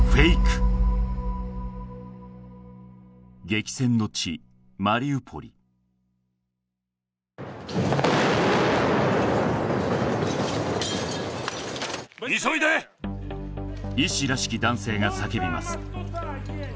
激戦の地マリウポリ医師らしき男性が叫びます